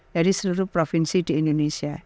dari seluruh provinsi di indonesia